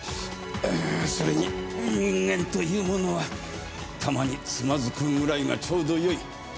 ああそれに人間というものはたまにつまずくぐらいがちょうどよい。